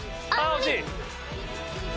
惜しい！